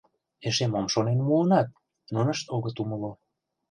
— Эше мом шонен муынат? — нунышт огыт умыло.